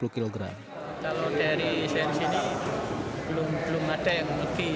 kalau dari sens ini belum ada yang lebih